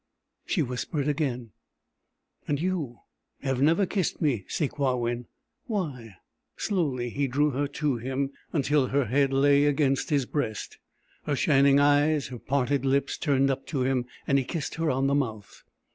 She whispered again: "And you have never kissed me, Sakewawin. Why?" Slowly he drew her to him, until her head lay against his breast, her shining eyes and parted lips turned up to him, and he kissed her on the mouth.